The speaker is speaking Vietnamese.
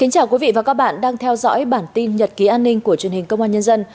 chào mừng quý vị đến với bản tin nhật ký an ninh của truyền hình công an nhân dân